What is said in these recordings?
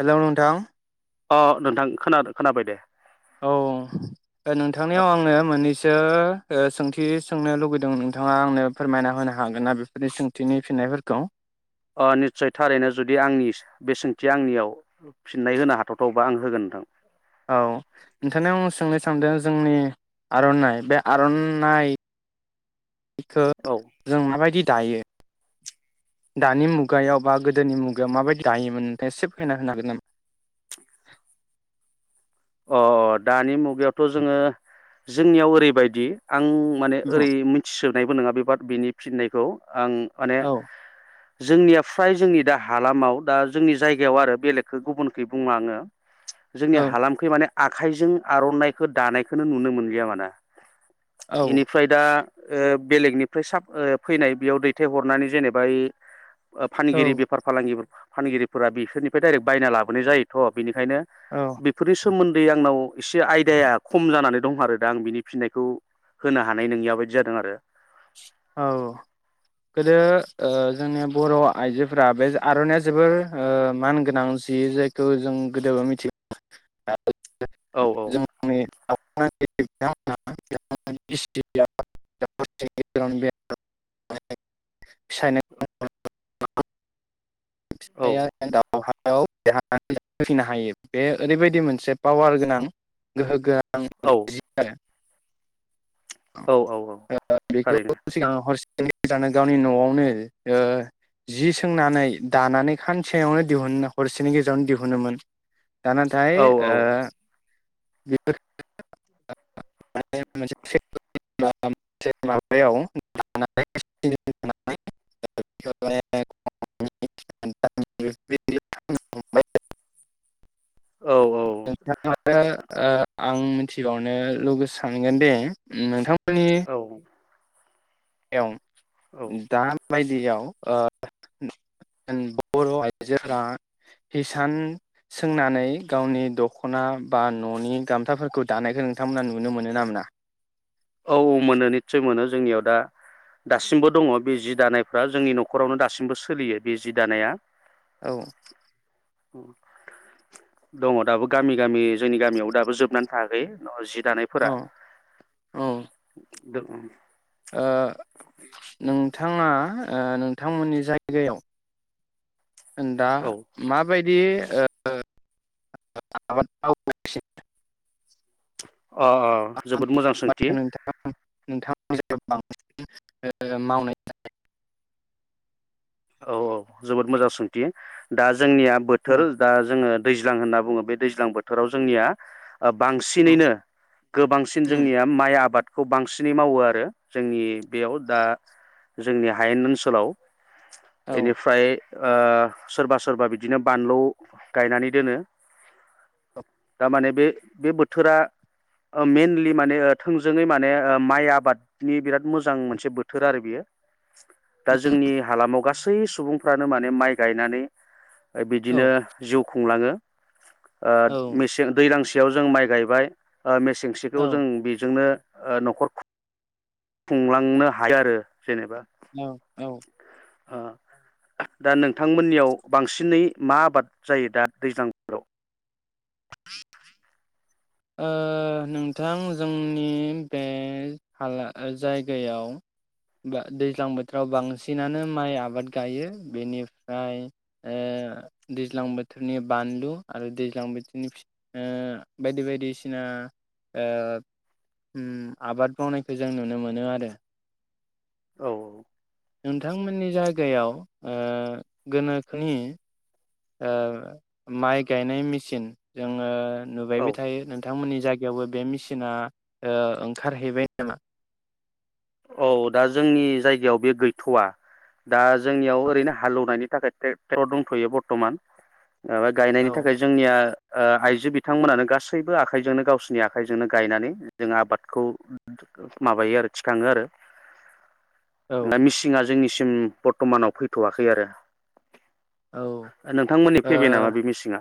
Hello नोंथां। अ नोंथां खोनादों खोनाबाय दे‌। औ। दा नोंथांनियाव आंनो मोन्नै दो ओ सोंथि सोंनो लुुबैदों नोंथाङा आंनो फोरमायना होनो हागोन ना बेफोरनि सोंथिनि फिन्नायफोरखौ? अ निस्सय थारैनो जुदि आंनि बे सोंथि आंनियाव फिन्नाय होनो हाथावथावबा आं होगोन नोंथां। औ नोंथांनिआव आं सोंनो सानदों जोंनि आर'नाइ बे आर'नाइ बेखो औ जों माबायदि दायो दानि मुगायाव बा गोदोनि मुगायाव माबायदि दायोमोन नोंथाङा से फैना होनो हागोन नामा? अ अ दानि मुगायावथ' जोङो जोंनियाव ओरैबायदि आं माने ओरै मिथिसोब नायबो नङा बेबाद बिनि फिन्नायखौ आं आने औ जोंनिया फ्राय जोंनि दा हालामाव दा जोंनि जायगायाव आरो बेलेगखो गुबुनखै बुङा आङो जोंनि हालाम आखाइजों आर'नाइखौ दानायखोनो नुनो मोनलिया माना। औ इनिफ्राय दा‌ ओ बेलेगनिफ्राय साब‌ ओ फैनाय बेयाव दैथायहरनानै जेनेबा ऐै ओ औ फानगिरि बेफार फालांगिफोर फानगिरिफोरा बिसोरनिफ्राय डाइरेक्ट बायना लाबोनाय जायोथ' बिनि ओंखायनो औ बे नि सोमोन्दै आंनाव एसे आयदाया खम जानानै दं आरो दा आं बिनि फिननायखौ होनो हानाय नोंनिया बायदि जादों आरो। औ गोदो ओ जोंनि बर' आइजोफोरा बे आरनाइया जोबोर मान गोनां जि जायखौ जों गोदोबो मिथि औ जोंनि [unintelligible] [unintelligible] साइना [unintelligible] [unintelligible] औ [unintelligible] हायो बे ओरैबायदि मोनसे पावार गोनां गोहो गो औ औ औ औ बेखौ थारैनो सिगाङाव हरसेनि गेजेरावनो गावनि नआवनो ओ जि सोंनानै दानानै खानसेङयावनो दिहुननो हरसेनि गेजेरावनो दिहुनोन दा नाथाय औ ओ [unintelligible] [unintelligible] औ [unintelligible] आं मिथिबावनो लुबै सानगोन दे नोंथां [unintelligible] औ ए औ दा बायदियाव ओ बर आइजोफोरा हिसान सोंनानै गावनि दखना बा ननि गामथाफोरखौ दानायखौ नोंथांमोना नुनो मोनो ना मोना? औ औ मोनो निस्सय मोनो जोंनियाव दा दासिमबो दङ बे जि दानायफ्रा जोंनि नखरावनो दासिमबो सोलियो बे जि दानाया औ दङ दाबो गामि गामि जोंनि गामियाव दाबो जोबनानै थायाखै जि औ दानायफोरा औ दङ ओ नोंथाङा ओ नोंथांमोननि जायगायाव दा औ माबाय बि [unintelligible] अ अ जोबोद मोजां सोंथि [unintelligible] औ औ जोबोद मोजां सोंथि दा ज जोंनिया औ बोथोर दा जोङो दैज्लां होनना बुङो बे दैज्लां बोथोराव जोंनिया ओ औ बांसिनैनो गोबांसिन उम जोंनिया माइ आबाद खौ बांसिनै मावो आरो जोंनि बेयाव दा जोंनि हायेन ओनसोलाव औ एनिफाय ओ सोरबा सोरबा बिदिनो बानलु गायनानै दोनो दा माने बे बे बोथोरा ओ मेनलि माने थोंजोङै माने ओ माइ आबादनि बिराद मोजां मोनसे बोथोर आरो बेयो। दा जोंनि हालामाव गास सै सुबुंफ्रानो माने माइ गायनानै औ बिदिनो जिउ खुंलाङो। ओ औ मेसें दैलांसि याव जों माइ गायबाय ओ मेसें सेखौ औ जों बेजोंनो ओ नखर खु खुंलांनो हायो आरो औ औ अ दा नोंथांमोननियाव बांसिनै मा आबाद जायो दा दैज्लां बोथोराव? [inaudible] ओ नोंथां जोंनि बे हाला ओ जायगायाव बा दैज्लां बोथोराव बांसिनानो माइ आबाद गायो बेनिफ्राय ओ दैज्लां बोथोरनि बानलु आरो दैज्लां बोथोरनि फि ओ बायदि बाय दिसिना ओ उम आबाद मावनायखौ जों नुनो मोनो आरो। औ औ नोंथांमोननि जायगायाव ओ गोनोखोनि ओ माइ गायनाय मेसिन जोङो औ नुबायबो थायो नोंथांमोननि जाय गायावबो बे मेसिना ओ ओंखारहैबाय नामा? औ दा जोंनि जायगायाव बे गैथवा दा जोंनियाव ओरैनो हालौवनायनि थाखाय ट्रेक्टर दंथयो बरतमान। माबा गायनायनि औ थाखाय जोंनिया ओ आइजो बिथांमोनानो गासैबो आखाइजोंनो गावसोरनि आखाइजोंनो गायनानै जों आबादखौ माबायो आरोखि [unintelligible] आरो औ दा मिसिंआ जोंनिसि थिं बरतमानाव फैथवाखै आरो। ओ नोंथांमोननि फैबाय नामा बे मिसिंआ?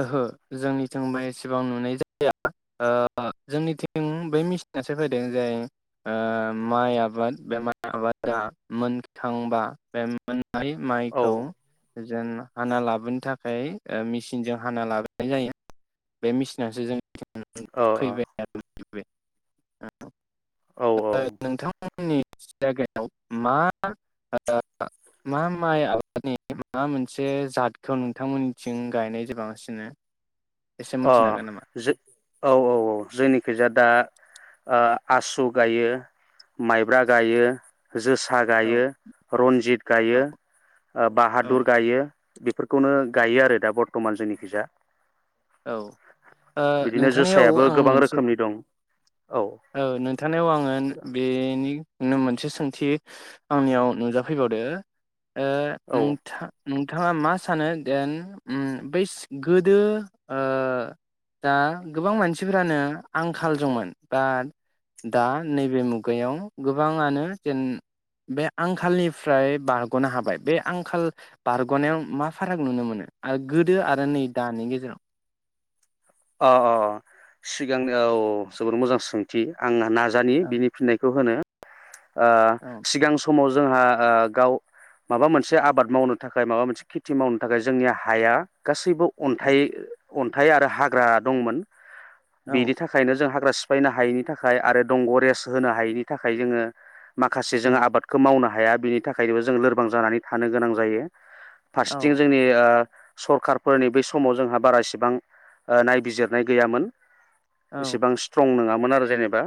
ओहो जोंनिथिंबो एसेबां [inaudible] ओ जोंनिथिं बै मिसिनासो फैदों जाय ओ माइ आबाद बे माइ आबादा मोनखांबा बे मोन नाय औ माइखौ जों हाना लाबोनो थाखाय ओ मिस सिनजों हाना लाबाय जायो बे मिसिनासो जों औ अ फैबाय [inaudible] औ औ मोननि जायगायाव मा ओ मा माइ आबादनि मा मोनसे जादखौ नोंथांमोननिथिं गायनाय [unintelligible] अ मोनथिनो हागोन नामा जो औ औ औ जोंनिखैजा दा ओ आसु गायो, माइब्रा गायो, जोसा औ गायो, रन्जित गायो औ ओ औ बाहादुर गायो बेफोरखौनो गायो आरो दा बर्तमान जोंनिखैजा। औ ओ बिदिनो नोंथांनियाव जोसायाबो आं गोबां मोनसे रोखोमनि दं औ नोंथांनियाव आङो बेनि नो मोनसे सोंथि आंनियाव नुजाफैबावदो ओ औ नोंथा नोंथाङा मा सानो देन ओम बै गोदो ओ दा गोबां मानसिफोरानो आंखाल दंमोन बा दा नैबे मुगायाव गोबाङानो जेन बे आंखालनिफ्राय बारगनो हाबाय बे आंखाल बारगनायाव मा फाराग नुनो मोनो ओ गोदो आरो नै दानि गेजेराव? अ अ अ सिगांनो औ औ औ जोबोर मोजां सोंथि आंना । नाजानि बिनि फिननायखौ होनो। ओ औ सिगां समाव जोंहा ओ गाव माबा मोनसे आबाद मावनो थाखाय माबा मोनसे खेथि मावनो थाखाय जोंनि हाया गासैबो अन्थाइ अन्थाइ आरो हा ग्रा दंमोन। औ बेनि थाखायनो जोंहा हाग्रा सिफायनो हायैनि थाखाय आरो दंग रेस्ट होनो हायिनि थाखाय जोङो माखासे जोङो आबादखौ मावनो हाया बिनि थाखायनोबो जों लोरबां जानानै थानो गोनां जायो। औ फारसेथिं जोंनि ओ सरखारफोरनि बे समाव जोंहा बारा इसेबां नायबिजिरनाय गैयामोन। औ एसेबां स्ट्रं नङा मोन आरो जेनेबा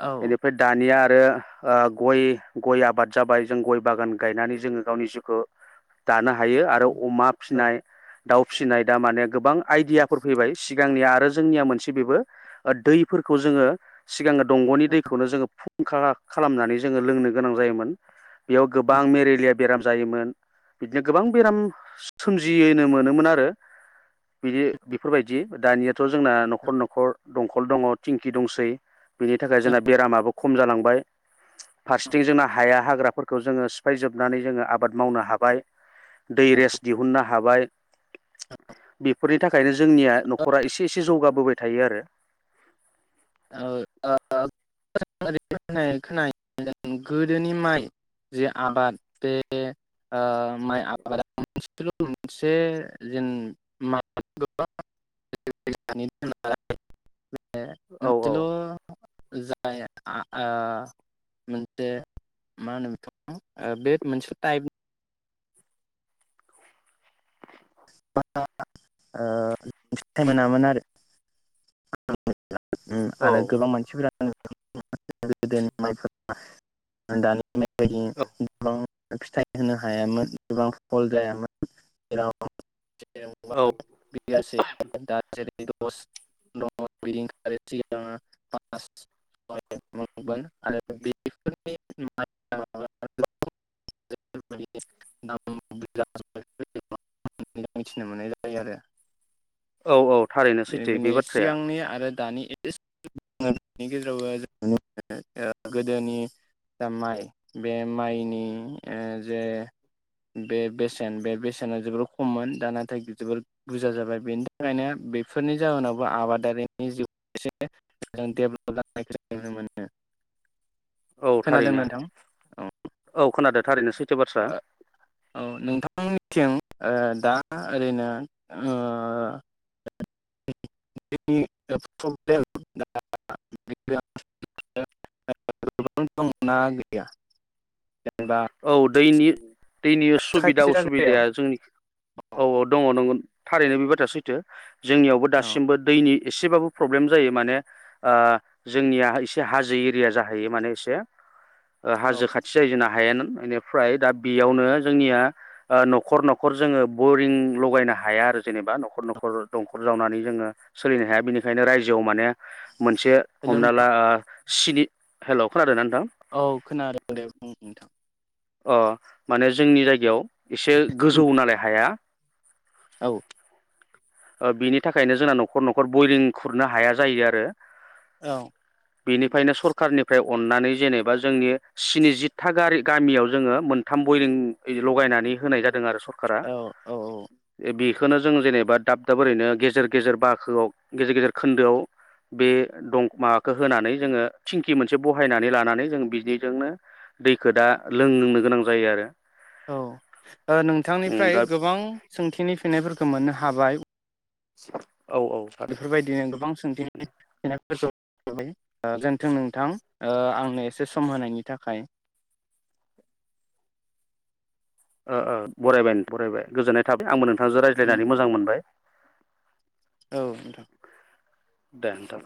औ बेनिफ्राय दानिया बे ओ गय गय आबाद जाबाय जों गय बागान गायनानै जोङो गावनि जिउखौ दानो हायो आरो अमा फिनाय दाउ फिसिनाय दा माने गोबां आइदियाफोर फैबाय सिगांनिया आरो जोंनिया मोनसे बेबो दैफोरखौ जोङो सिगां दंगनि दैखौनो जोङो फु फुंखा खालामनानै जोङो लोंनो गोनां जायोमोन बेयाव गोबां मेरेलिया बेराम जायोमोन बिदिनो गोबां बेराम सोमजियोनो मोनोमोन आरो बिदि बेफोरबायदि दानियाथ जोंना नखर नखर दंखल दङ थिंखि दंसै। बिनि थाखाय जोंना बेरामाबो खम जालांबाय फारसेथिं जोंना हाया हाग्राफोरखौ जोङो सिफायजोबनानै जोङो आबाद मावनो हाबाय। दै रेस दिहुननो हाबाय बेफोरनि नि थाखायनो जोंनिया औ नखरा एसे एसे जौगाबोबाय थायो आरो। [unintelligible] औ औ मोनसेल जा [unintelligible] मोना [unintelligible] आरो गोबां औ मानसिफोरा [unintelligible] [unintelligible] फिथाइ होनो हायामोन गोबां फल जायामोन जेराव औ [unintelligible] [unintelligible] [unintelligible] मिथिनो मोननाय जायो आरो। औ औ थारैनो सैथो बेनिखायनो बे बाथ्राया। सिगांनि आरो दानि [unintelligible] गोदोनि जा माइ बे माइनि ओ जे बे बेसेन बे बेसेन जोबोर खममोन दा नाथाय जोबोर बुरजा जाबाय बेनि थाखायनो बेफोरनि जाहोनावबो आबादारिनि जिउ एसे डेभेलप जानायखौ नुनो मोनो। औ खोनादों थारैनो नोंथां औ खोनादों। थारैनो सै औ नोंथांनिथिं दा ओरैनो [unintelligible] गोबां द मोनना गैया जेनेबा औ दैनि दैनि सुबिदा खायसे उसुबिदाया जायगायाव जोंनि औ औ दङ नंगौ। थारैनो बे बाथ्रा सैथो। जोंनियावबो औ दासिमबो दैनि एसेबाबो प्रब्लेम जायो माने जोंनिया एसे हाजो एरिया जाहैयो माने एसे औ हाजो खाथि जायो जोंना हायेन बेनिफ्राय दा बेयावनो जोंनिया न'खर न'खर जोङो बरिं लगायनो हाया आरो जेनेबा न'खर न'खर दंखर जावनानै जोङो सोलिनो हाया बिनिखायनो रायजोआव माने मोनसे हेल' हमना ला [unintelligible] हेलौ खोनादोंना नोंथां औ खोनादों दे बुं नोंथां। अ माने जोंनि जायगायाव एसे गोजौ नालाय हाया औ ओ बिनि थाखायनो जोंना नखर नखर बयरिं खुरनो हाया जायो आरो। औ बेनिफ्रायनो सरखारनिफ्राय अननानै जेनेबा जोंनि स्निजिथा गारि गामियाव जोङो मोनथाम बरिं लगायनानै होनाय जादों आरो स सरखारा औ औ [unintelligible] बेखौनो जों जेनेबा दाब दाब ओरैनो गेजेर गेजेर बाखोआव गेजेर गेजेर खोन्दोआव बे दं माबाखौ होनानै जोङो थिंखि मोनसे बहायनानै लानानै जों बिनिजोंनो दैखो दा लोंनो गोनां जायो आरो। औ ओ उम नोंथांनिफ्राय दा गोबां सोंथिनि फिननायफोरखौ खौ मोननो हाबाय। [unintelligible] थारै बेफोरबायदिनो गोबां सोंथि [unintelligible] [inaudible] थों नोंथां आंनो एसे सम होनायनि थाखाय। ओ ओ बरायबाय बरायबाय गोजोननाय थाबाय आंबो नो थांजों उम रायज्लायनानै मोजां मोनबाय। औ नोंथां। दे नोंथां